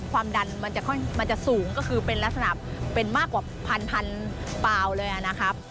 ความดันมันจะสูงก็คือเป็นลักษณะเป็นมากกว่าพันเปล่าเลยนะครับ